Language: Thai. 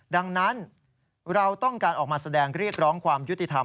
ดังนั้นเราต้องการออกมาแสดงเรียกร้องความยุติธรรม